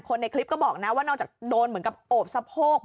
ในคลิปก็บอกนะว่านอกจากโดนเหมือนกับโอบสะโพก